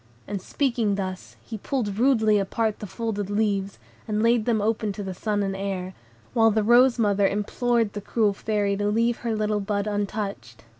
And speaking thus, he pulled rudely apart the folded leaves, and laid them open to the sun and air; while the rose mother implored the cruel Fairy to leave her little bud untouched.